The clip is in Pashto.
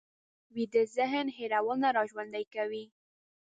ویده ذهن هېرونه راژوندي کوي